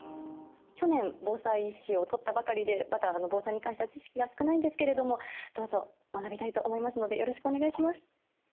去年、防災士を取ったばかりでまだ防災に関しては知識が少ないんですけれどもどうぞ学びたいと思いますのでよろしくお願いします。